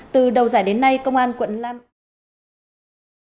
từ đầu giải đến nay công an quận nam từ liêm